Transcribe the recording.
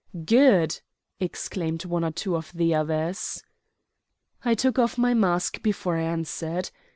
"Good!" exclaimed one or two of the others. I took off my mask before I answered.